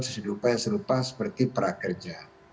sesedupa yang serupa seperti para kerja